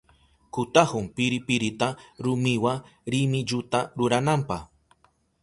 Kutahun piripirita rumiwa rimilluta rurananpa.